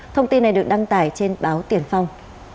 thông tin này được đăng tải trên báo tiền phong